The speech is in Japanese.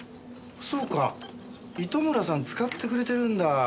そうか糸村さん使ってくれてるんだ。